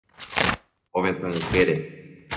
ovetã ykére